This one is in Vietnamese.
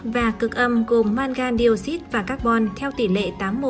và cực âm gồm mangan dioxid và carbon theo tỷ lệ tám mươi một